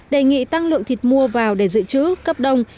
đề nghị tăng lượng thịt mua vào để dự trữ cấp đông